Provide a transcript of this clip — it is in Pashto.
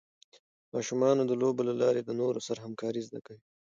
ماشومان د لوبو له لارې د نورو سره همکارۍ زده کوي.